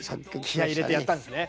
気合い入れてやったんですね。